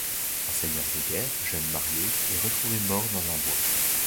Un seigneur de guerre, jeune marié, est retrouvé mort dans un bois.